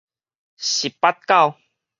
十八狗